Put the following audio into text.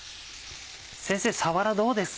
先生さわらどうですか？